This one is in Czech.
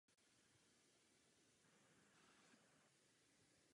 Kopie sousoší je umístěna ve Vrchlického sadech v Praze.